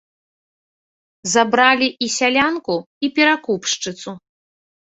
Забралі і сялянку і перакупшчыцу.